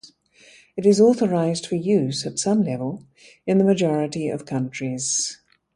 It is authorized for use at some level in the majority of countries.